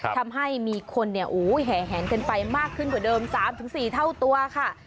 ทำให้มีคนแห่แหงกันไปมากขึ้นกว่าเดิม๓๔เท่าตัวค่ะ